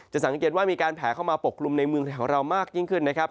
สังเกตว่ามีการแผลเข้ามาปกกลุ่มในเมืองไทยของเรามากยิ่งขึ้นนะครับ